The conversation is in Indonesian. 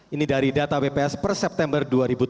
ini dari data bps per september dua ribu tujuh belas